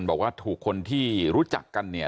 บอกว่าถูกคนที่รู้จักกันเนี่ย